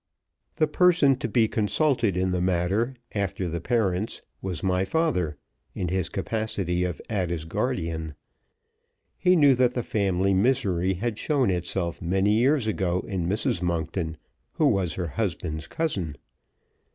The person to be consulted in the matter, after the parents, was my father, in his capacity of Ada's guardian. He knew that the family misery had shown itself many years ago in Mrs. Monkton, who was her husband's cousin.